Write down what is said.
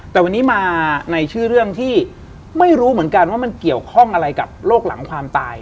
แต่วันนี้มาในชื่อเรื่องที่ไม่รู้เหมือนกันว่ามันเกี่ยวข้องอะไรกับโรคหลังความตาย